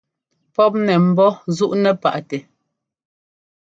Pɔ́p nɛ mbɔ́ nzúʼnɛ paʼtɛ.